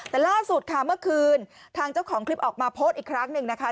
แต่ล่าสุดค่ะเมื่อคืนทางเจ้าของคลิปออกมาโพสต์อีกครั้งหนึ่งนะคะ